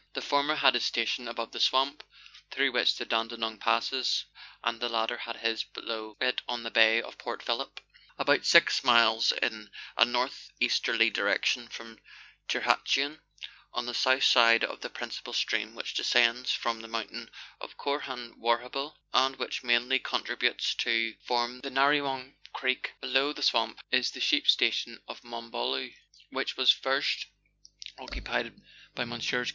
The former had his station above the swamp through which the Dandenong passes, and the latter had his below it on the bay of Port Phillip. About six miles in a north easterly direction from Tirhatuan, on the south side of the principal stream which descends from the mountain of Corhanwarrabul, and which mainly contributes to Letters from Victorian Pioneers. 105 form the Narrewong Creek below the swamp, is the sheep station of Monbolloc, which was first occupied by Messrs.